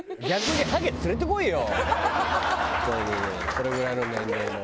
これぐらいの年齢の。